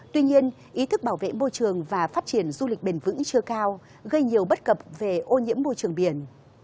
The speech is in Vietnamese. tuy nhiên ý thức bảo vệ môi trường và phát triển du lịch bền vững chưa cao gây nhiều bất cập về ô nhiễm môi trường biển